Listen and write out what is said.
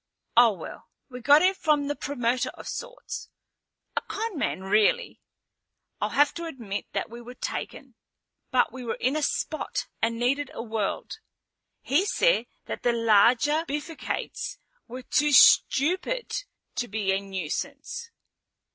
Oh, well, we got it from a promoter of sorts. A con man, really. I'll have to admit that we were taken, but we were in a spot and needed a world. He said that the larger bifurcates were too stupid to be a nuisance.